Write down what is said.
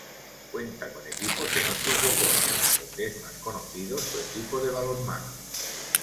Cuenta con equipos en otros deportes, donde es más conocido su equipo de balonmano.